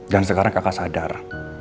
dan sekarang kakak sadar